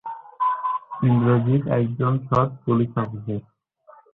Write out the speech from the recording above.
ইন্দ্রজিৎ একজন সৎ police officer.